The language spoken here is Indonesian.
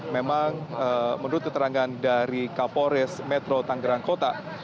memang menurut keterangan dari kapolres metro tanggerang kota